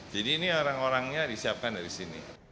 jadi ini orang orangnya disiapkan dari sini